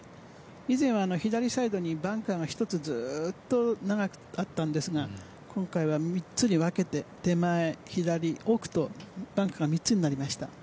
以前は左サイドにバンカーが１つずっと長くあったんですが今回は３つに分けて手前、左奥とバンカーが３つになりました。